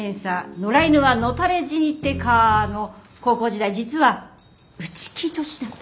『野良犬は野垂れ死にってか？』の高校時代実は内気女子だった」。